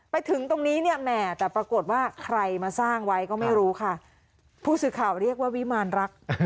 ไปถึงตรงนี้เนี่ยแหมแต่ปรากฏว่าใครมาสร้างไว้ก็ไม่รู้ค่ะผู้สื่อข่าวเรียกว่าวิมารรัก